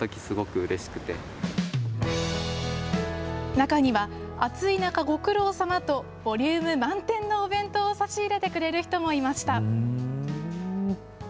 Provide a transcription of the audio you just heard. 中には、暑い中、ご苦労さまと、ボリューム満点のお弁当を差し入れてくれる人もいました。